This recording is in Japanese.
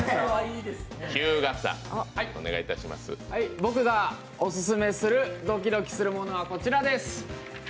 僕がオススメのドキドキするものはこちらです。